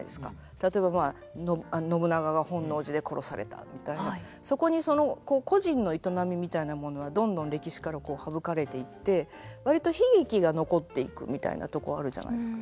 例えばまあ信長が本能寺で殺されたみたいなそこに個人の営みみたいなものはどんどん歴史から省かれていって割と悲劇が残っていくみたいなとこあるじゃないですか。